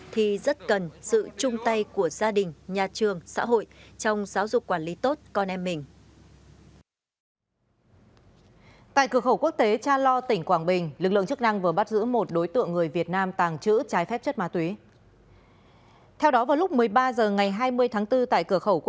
thì rất cần sự chung tay của gia đình nhà trường xã hội